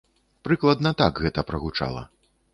Прыкладна так гэта прагучала.